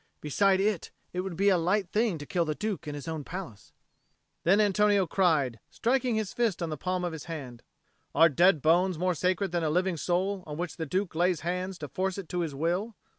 "Beside it, it would be a light thing to kill the Duke in his own palace." Then Antonio cried, striking his fist on the palm of his hand, "Are dead bones more sacred than that living soul on which the Duke lays hands to force it to his will?"